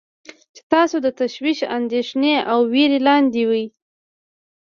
چې تاسو د تشویش، اندیښنې او ویرې لاندې وی.